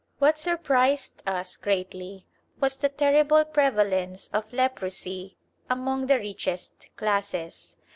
What surprised us greatly was the terrible prevalence of leprosy among the richest classes.